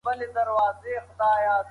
ښې خبرې صدقه ده.